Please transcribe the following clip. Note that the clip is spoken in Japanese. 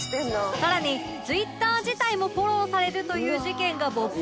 さらに Ｔｗｉｔｔｅｒ 自体もフォローされるという事件が勃発！